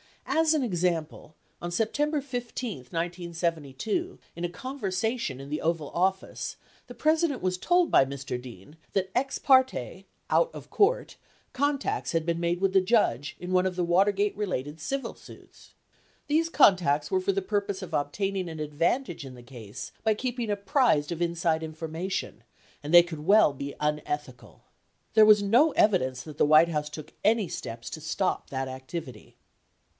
As an example, on September 15, 1972, in a conversation in the Oval Office, the President was told by Mr. Dean that ex farte (out of court) con tacts had been made with the judge in one of the Watergate related civil suits. 47 These contacts were for the purpose of obtaining an ad vantage in the case by keeping apprised of inside information, and they could well be unethical. 48 There was no evidence that the White House took any steps to stop that activity.